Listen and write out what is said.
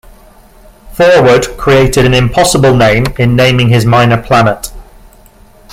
Forward created an impossible name in naming his minor planet.